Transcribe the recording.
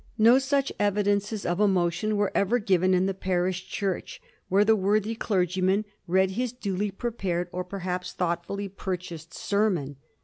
No such evidences of emotion were ever given in the parish church where the worthy clergyman read his duly prepared or perhaps thoughtfully purchased sermon.